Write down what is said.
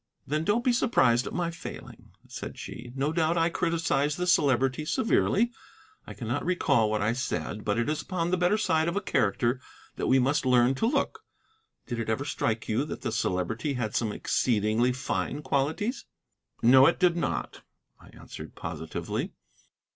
"Then don't be surprised at my failing," said she. "No doubt I criticised the Celebrity severely. I cannot recall what I said. But it is upon the better side of a character that we must learn to look. Did it ever strike you that the Celebrity had some exceedingly fine qualities?" "No, it did not," I answered positively.